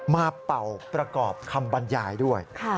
เป่าประกอบคำบรรยายด้วย